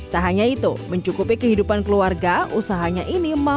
tak hanya itu mencukupi kehidupan keluarga usahanya ini mampu